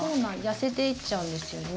痩せていっちゃうんですよね。